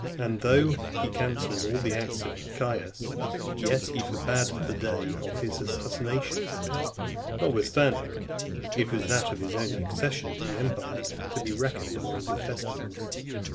And though he cancelled all the acts of Caius, yet he forbad the day of his assassination, notwithstanding it was that of his own accession to the empire, to be reckoned amongst the festivals.